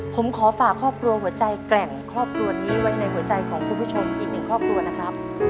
ผมขอฝากครอบครัวหัวใจแกร่งครอบครัวนี้ไว้ในหัวใจของคุณผู้ชมอีกหนึ่งครอบครัวนะครับ